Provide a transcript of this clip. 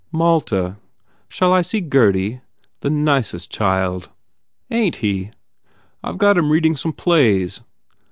"Malta. Shall I see Gurdy? The nicest child!" "Ain t he? I ve got him reading plays."